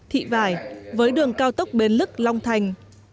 thị vải với đường cao tốc bến lức long thành